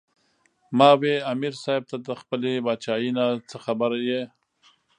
" ـ ما وې " امیر صېب تۀ د خپلې باچائۍ نه څۀ خبر ئې